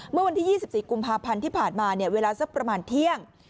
เมื่อวันที่๒๔กุมภาพันธ์ที่ผ่านมาเวลาสักประมาณเที่ยง